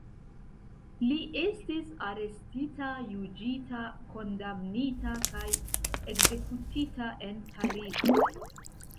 Li estis arestita, juĝita, kondamnita kaj ekzekutita en Parizo.